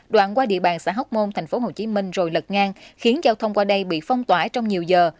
đoạn qua địa bàn xã hóc môn tp hcm rồi lật ngang khiến giao thông qua đây bị phong tỏa trong nhiều giờ